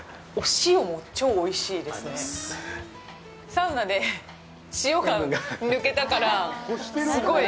サウナで塩が抜けたから、すごい。